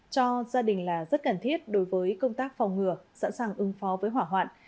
cho gia đình là rất cần thiết đối với công tác phòng ngừa sẵn sàng ứng phó với hỏa hoạn